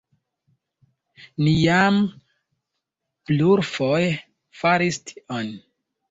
Ni jam plurfoje faris tion.